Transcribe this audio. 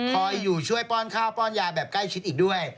คอยอยู่ช่วยป้อนข้าวป้อนยาแบบใกล้ชิดอีกด้วย